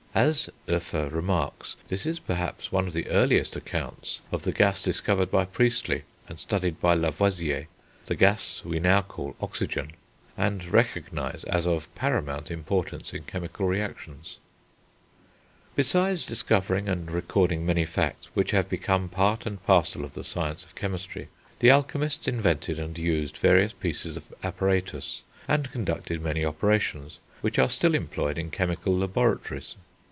As Hoefer remarks, this is perhaps one of the earliest accounts of the gas discovered by Priestley and studied by Lavoisier, the gas we now call oxygen, and recognise as of paramount importance in chemical reactions. [Illustration: FIG. XII. See p. 92.] Besides discovering and recording many facts which have become part and parcel of the science of chemistry, the alchemists invented and used various pieces of apparatus, and conducted many operations, which are still employed in chemical laboratories.